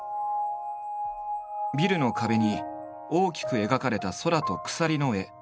ビルの壁に大きく描かれた空と鎖の絵。